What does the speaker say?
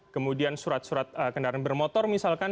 kemudian surat surat kendaraan bermotor misalkan